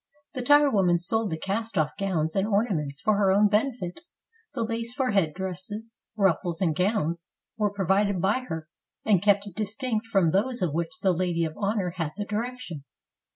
The tire woman sold the cast off gowns and ornaments for her own benefit: the lace ' About twenty thousand dollars. 283 FRANCE for head dresses, ruffles, and gowns was provided by her, and kept distinct from those of which the lady of honor had the direction.